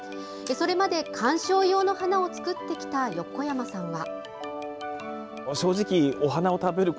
それまで観賞用の花を作ってきた横山さんは。